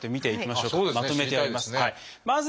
まとめてあります。